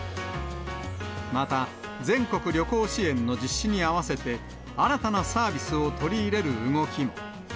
また、全国旅行支援の実施に合わせて、新たなサービスを取り入れる動きも。